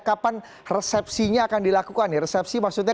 kapan resepsinya akan dilakukan ya